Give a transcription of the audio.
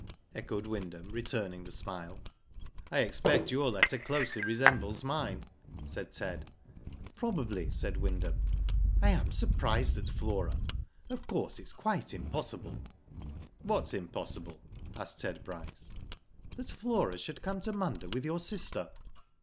^' echoed Wyndham, returning the smile. I expect your letter closely resembles mine," said Ted. " Probably," said Wyndham. " I am surprised at Flora. Of course, its quite impossible." " What's impossible ?" asked Ted Bryce. " That Flora should come to Munda with your sister."